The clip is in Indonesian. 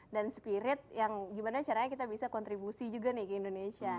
dan spirit yang gimana caranya kita bisa kontribusi juga nih ke indonesia